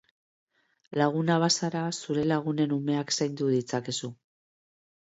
Laguna bazara, zure lagunen umeak zaindu ditzakezu.